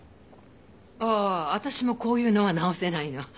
ああ私もこういうのは直せないの。